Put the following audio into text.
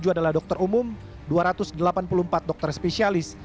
tiga ratus empat puluh tujuh adalah dokter umum dua ratus delapan puluh empat dokter spesialis